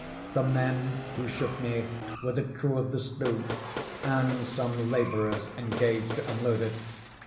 The men who shook me were the crew of the sloop, and some laborers engaged to unload it.